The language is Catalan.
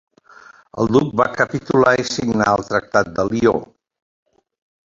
El Duc va capitular i signar el Tractat de Lió.